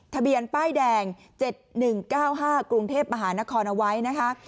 ทะเบียนป้ายแดง๗๑๙๕กรุงเทพมหานครเอาไว้นะคะ